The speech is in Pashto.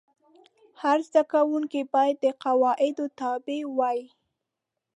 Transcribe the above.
هر زده کوونکی باید د قواعدو تابع وای.